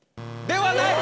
ではない！